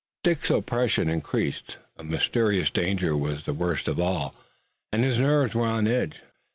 Dick's oppression increased. A mysterious danger was the worst of all, and his nerves were on edge.